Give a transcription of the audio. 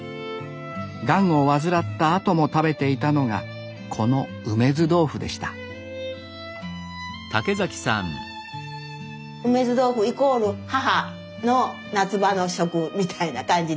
がんを患ったあとも食べていたのがこの梅酢豆腐でした梅酢豆腐イコール母の夏場の食みたいな感じでした。